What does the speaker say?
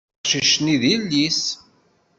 Taqcict-nni d yelli-s